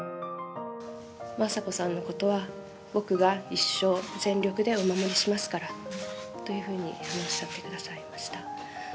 雅子さんのことは僕が一生、全力でお守りしますからというふうに話しかけてくださいました。